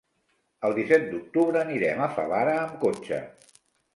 El disset d'octubre anirem a Favara amb cotxe.